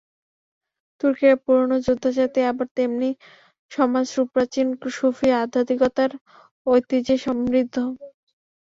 তুর্কিরা পুরোনো যোদ্ধা জাতি, আবার তেমনি সমাজ সুপ্রাচীন সুফি আধ্যাত্মিকতার ঐতিহ্যে সমৃদ্ধ।